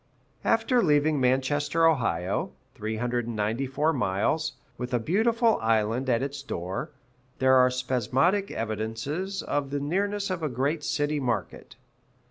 After leaving Manchester, O. (394 miles), with a beautiful island at its door, there are spasmodic evidences of the nearness of a great city market.